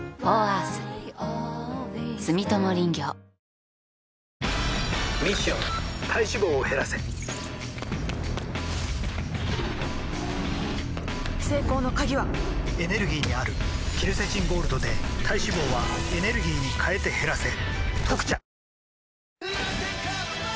ミッション体脂肪を減らせ成功の鍵はエネルギーにあるケルセチンゴールドで体脂肪はエネルギーに変えて減らせ「特茶」